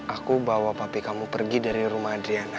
aku bawa papi kamu pergi dari rumah adriana